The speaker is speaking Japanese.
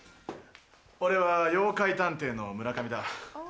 俺は妖怪探偵の村上だ。